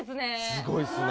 すごいですね。